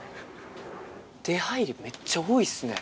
出入りめっちゃ多いですね。